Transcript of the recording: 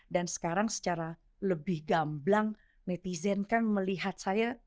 dan sekarang secara lebih gamblang netizen kan melihat saya